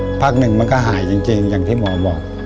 ให้นอนแล้วเอาขาขึ้นพักนึงมันก็หายจริงอย่างที่หมอบอก